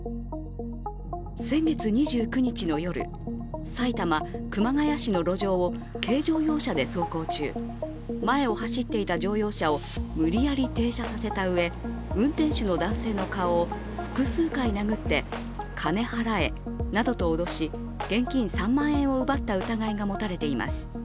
先月２９日の夜、埼玉・熊谷市の路上を軽乗用車で走行中、前を走っていた乗用車を無理やり停車させたうえ、運転手の男性の顔を複数回殴って「金払え」などと脅し、現金３万円を奪った疑いが持たれています。